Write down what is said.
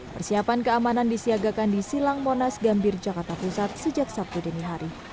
persiapan keamanan disiagakan di silang monas gambir jakarta pusat sejak sabtu dini hari